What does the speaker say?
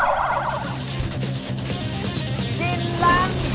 คุณพีมก็บอกแล้ว